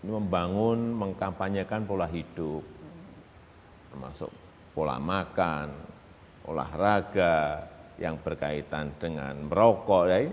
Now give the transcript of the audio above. membangun mengkampanyekan pola hidup termasuk pola makan olahraga yang berkaitan dengan merokok